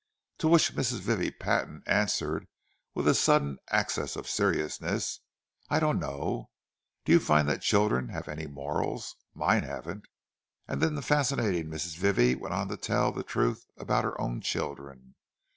To which Mrs. Vivie Patton answered, with a sudden access of seriousness: "I don't know—do you find that children have any morals? Mine haven't." And then the fascinating Mrs. Vivie went on to tell the truth about her own children.